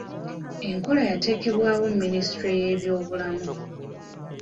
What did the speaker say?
Enkola yateekebwawo minisitule y'ebyobulamu.